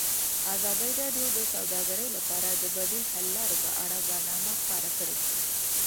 ازادي راډیو د سوداګري لپاره د بدیل حل لارې په اړه برنامه خپاره کړې.